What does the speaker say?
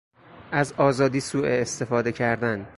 از آزادی سواستفاده کردن